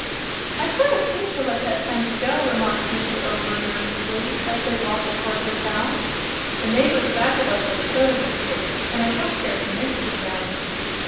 "I sort of hate to let that fence go," remarked Mr. Over, nervously, as they walked toward his house. "The neighbors back of us are Soda Biscuits, and I don't care to mix with them."